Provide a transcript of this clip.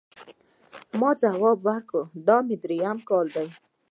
ما ځواب ورکړ، دا مې درېیم کال دی.